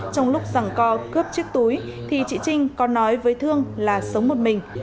trong lúc giằng co cướp chiếc túi thì chị trinh còn nói với thương là sống một mình